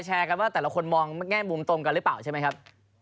แชร์กับแต่ละคนแง่มุมตรงกันหรือเปล่าใช่ไหมครับ